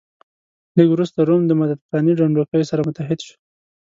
لږ وروسته روم د مدترانې ډنډوکی سره متحد شو.